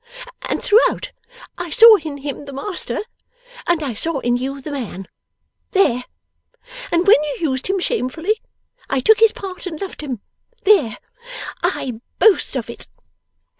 And throughout I saw in him the master, and I saw in you the man There! And when you used him shamefully, I took his part and loved him There! I boast of it!